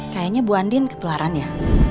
kayaknya bu andin ketularan ya